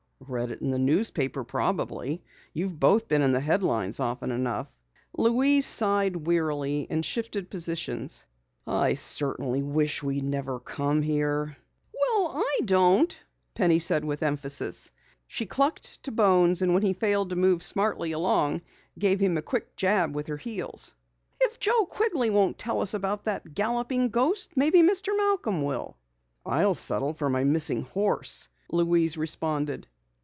"Read it in a newspaper probably. You've both made the headlines often enough." Louise sighed wearily and shifted positions. "I certainly wish we never had come here." "Well, I don't," Penny said with emphasis. She clucked to Bones and when he failed to move smartly along, gave him a quick jab with her heels. "If Joe Quigley won't tell us about that galloping ghost, perhaps Mr. Malcom will." "I'll settle for my missing horse," Louise responded.